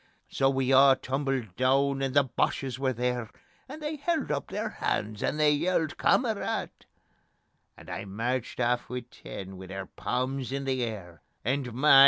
So we a' tumbled doon, and the Boches were there, And they held up their hands, and they yelled: "Kamarad!" And I merched aff wi' ten, wi' their palms in the air, And my!